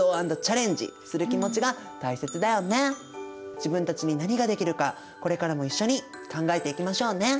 自分たちに何ができるかこれからも一緒に考えていきましょうね。